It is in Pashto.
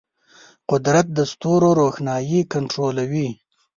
قدرت د ستورو روښنايي کنټرولوي.